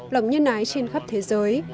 lòng nhân ái trên khắp thế giới